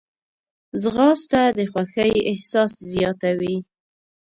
ځغاسته د خوښۍ احساس زیاتوي